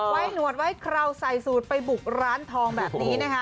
หนวดไว้คราวใส่สูตรไปบุกร้านทองแบบนี้นะคะ